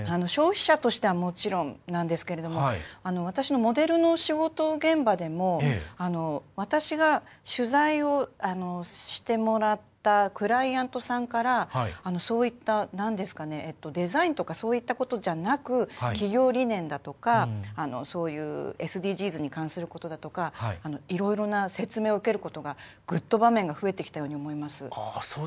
消費者としてはもちろんなんですけれども私のモデルの仕事現場でも私が取材をしてもらったクライアントさんからデザインとかそういったことじゃなく企業理念だとかＳＤＧｓに関することとかいろいろな説明を受けることがぐっと、場面が増えてきたように思います。